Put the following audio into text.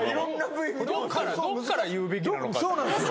どっから言うべきなのか。